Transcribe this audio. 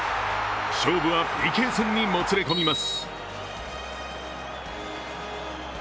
勝負はＰＫ戦にもつれ込みます。